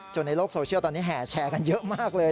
ในโลกโซเชียลตอนนี้แห่แชร์กันเยอะมากเลย